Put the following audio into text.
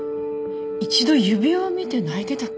一度指輪を見て泣いてたっけ。